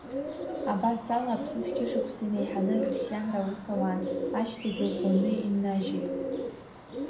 Абасала, Аԥсны зқьышықәса инеиҳаны ақьырсианра аус ауан, ашьҭагьы ӷәӷәаны иннажьит.